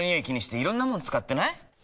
気にしていろんなもの使ってない？